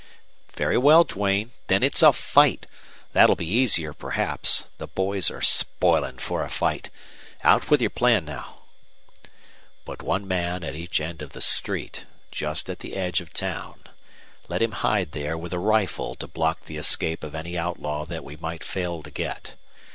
"Very well, Duane; then it's a fight. That'll be easier, perhaps. The boys are spoiling for a fight. Out with your plan, now." "Put one man at each end of this street, just at the edge of town. Let him hide there with a rifle to block the escape of any outlaw that we might fail to get.